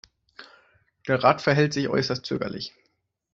Der Rat verhält sich äußerst zögerlich.